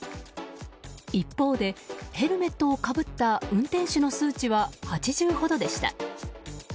一方でヘルメットをかぶった運転手の数値は８０ほどでした。